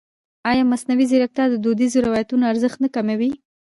ایا مصنوعي ځیرکتیا د دودیزو روایتونو ارزښت نه کموي؟